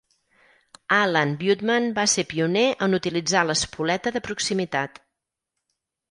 Alan Butement va ser pioner en utilitzar l'espoleta de proximitat.